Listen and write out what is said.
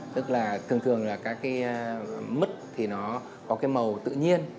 tức là thường thường là các cái mứt thì nó có cái màu tự nhiên